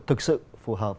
thực sự phù hợp